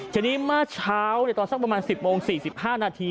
ทีนี้เมื่อเช้าตอนสักประมาณ๑๐โมง๔๕นาที